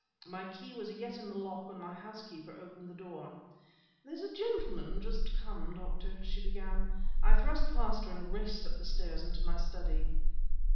My key was yet in the lock when my housekeeper opened the door. "There's a gentleman just come, Doctor," she began I thrust past her and raced up the stairs into my study.